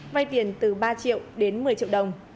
vay tiền từ ba triệu đến một mươi triệu đồng